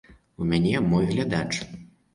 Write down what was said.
У мяне мой глядач.